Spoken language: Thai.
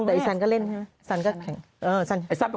แต่อีสันก็เล่นไนมาก